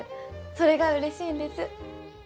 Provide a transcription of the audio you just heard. それがうれしいんです。